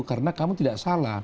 karena kamu tidak salah